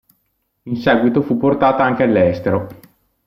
In seguito fu portata anche all'estero.